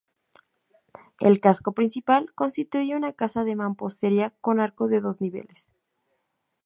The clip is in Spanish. El casco principal constituye una casa de mampostería con arcos de dos niveles.